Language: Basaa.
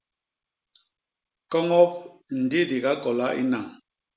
Koñop ndi di gakola i nañ.